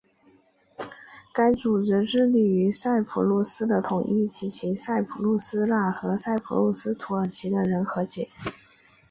该组织致力于塞浦路斯的统一以及塞浦路斯希腊人和塞浦路斯土耳其人的和解。